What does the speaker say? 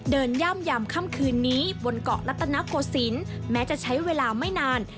เดินย่ำค่ำคืนนี้บนเกาะลัตนาโกสินแม้จะใช้เวลาไม่นาน